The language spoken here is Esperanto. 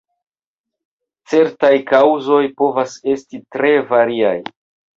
Certaj kaŭzoj povas esti tre variaj.